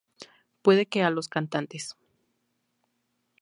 Puede que a los cantantes